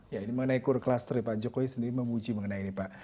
ya ini mengenai core cluster pak jokowi sendiri memuji mengenai ini pak